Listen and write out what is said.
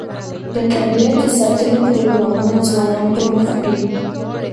د طبیعت د ساتنې پروګرامونه ځوانان پرمخ وړي.